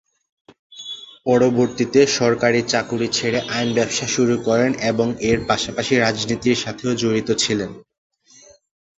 পরবর্তীতে সরকারি চাকুরি ছেড়ে আইন ব্যবসা শুরু করেন এবং এর পাশাপাশি রাজনীতির সাথেও জড়িত ছিলেন।